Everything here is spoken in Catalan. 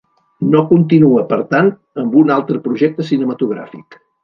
No continua, per tant, amb un altre projecte cinematogràfic.